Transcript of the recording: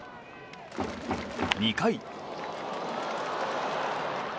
２回。